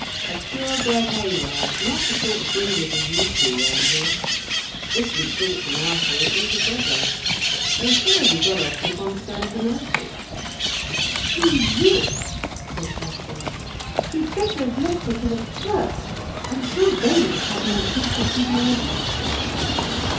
"A pure bred Harab—not the sort of breed as is used to round here—different sort from our sort altogether. They say as he got her from Constantinople." "He would!" said Ursula. "He'd better have left her to the Turks, I'm sure they would have had more decency towards her."